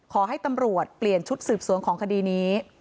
ขอให้ตำรวจเปลี่ยนชุดสืบสวนของคดีนี้